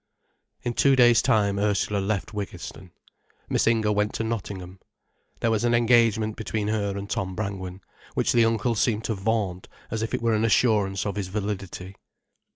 In two days' time Ursula left Wiggiston. Miss Inger went to Nottingham. There was an engagement between her and Tom Brangwen, which the uncle seemed to vaunt as if it were an assurance of his validity.